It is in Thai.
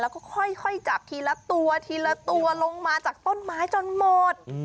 แล้วก็ค่อยจับทีละตัวทีละตัวลงมาจากต้นไม้จนหมด